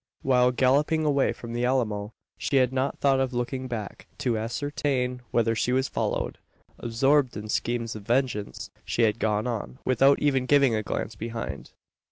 While galloping away from the Alamo, she had not thought of looking back, to ascertain whether she was followed. Absorbed in schemes of vengeance, she had gone on without even giving a glance behind.